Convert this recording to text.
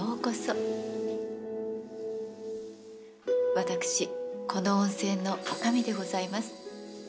私この温泉の女将でございます。